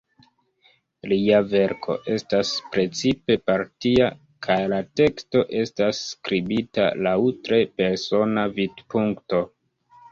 Lia verko estas precipe partia, kaj la teksto estas skribita laŭ tre persona vidpunkto.